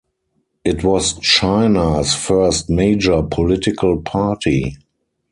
It was China's first major political party.